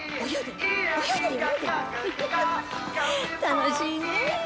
楽しいね！